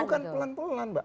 bukan pelan pelan mbak